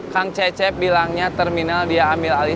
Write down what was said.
kang cecep bilangnya terminal dia ambil alih